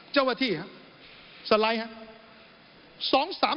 เจ้าอาทิศครับสไลด์ครับ